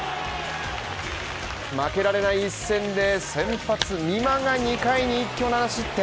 負けられない一戦で先発・美馬が２回に一挙７失点。